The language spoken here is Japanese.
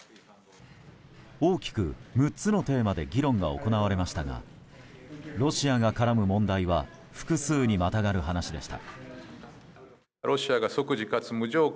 大きく６つのテーマで議論が行われましたがロシアが絡む問題は複数にまたがる話でした。